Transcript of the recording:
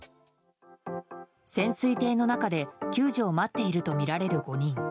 潜水艇の中で、救助を待っているとみられる５人。